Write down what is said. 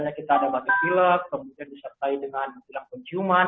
nah jadi kadang kalau misalnya kita ada batuk gilek kemudian disertai dengan hilang penciuman